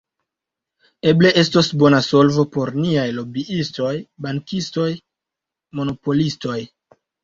Eble estos bona solvo por niaj lobiistoj, bankistoj, monopolistoj.